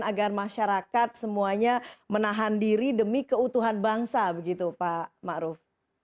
agar masyarakat semuanya menahan diri demi keutuhan bangsa pak ma'ruf